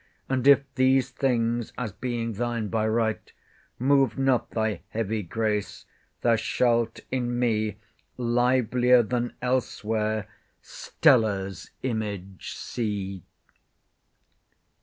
And if these things, as being thine by right, Move not thy heavy grace, thou shalt in me, Livelier than elsewhere, STELLA'S image see.